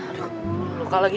aduh lu luka lagi